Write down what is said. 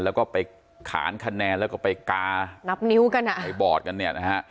แล้วก็ไปขานคะแนนแล้วก็ไปกานับนิ้วกันอ่ะไปบอร์ดกันเนี่ยนะฮะ